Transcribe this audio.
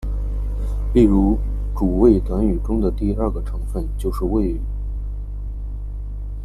例如主谓短语中的第二个成分就是谓语。